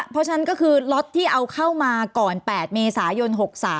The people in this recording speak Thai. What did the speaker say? เพราะฉะนั้นก็คือล็อตที่เอาเข้ามาก่อน๘เมษายน๖๓